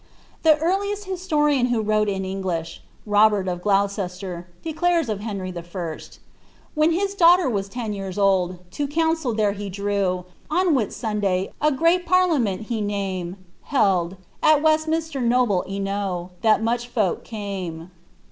The eariiest historian who wrote in English, Robert of Gloucester, declares of Henry I.' When his daughter was ten years old, to coaxicil there he drew, On a Whitsunday, a greet parliament he namt (held) At Weftmh»ter noble enow, that mneh folk came."